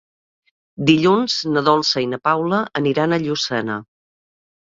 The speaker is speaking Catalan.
Dilluns na Dolça i na Paula aniran a Llucena.